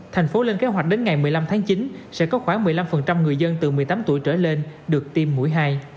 thành phố lên kế hoạch đến ngày một mươi năm tháng chín sẽ có khoảng một mươi năm người dân từ một mươi tám tuổi trở lên được tiêm mũi hai